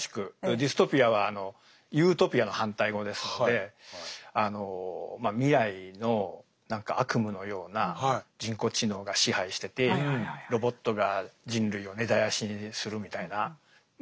ディストピアはユートピアの反対語ですのでまあ未来の何か悪夢のような人工知能が支配しててロボットが人類を根絶やしにするみたいなまあ